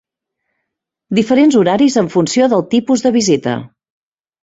Diferents horaris en funció del tipus de visita.